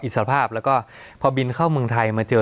สวัสดีครับทุกผู้ชม